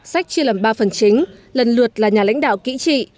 sách chia làm ba phần chính lần lượt là nhà lãnh đạo kỹ trị